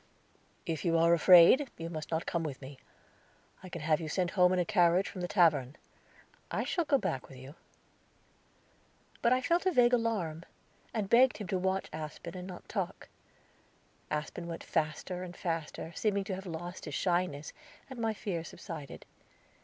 "If you are afraid, you must not come with me. I can have you sent home in a carriage from the tavern." "I shall go back with you." But I felt a vague alarm, and begged him to watch Aspen, and not talk. Aspen went faster and faster, seeming to have lost his shyness, and my fears subsided.